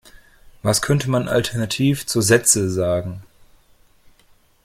Was könnte man Alternativ zu Sätze sagen?